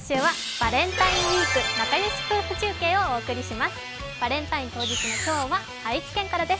バレンタイン当日の今日は愛知県からです。